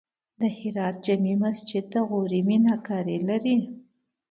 د هرات جمعې مسجد د غوري میناکاري لري